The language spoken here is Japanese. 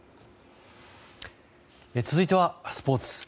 続いてはスポーツ。